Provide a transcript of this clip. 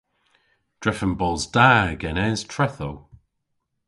Drefen bos da genes trethow.